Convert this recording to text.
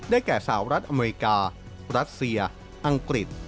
แก่สาวรัฐอเมริการัสเซียอังกฤษ